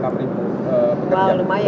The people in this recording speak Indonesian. wah lumayan ya